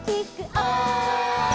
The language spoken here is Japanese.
「おい！」